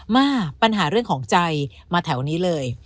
มาปัญหาเรื่องของใจมาแถวนี้เลย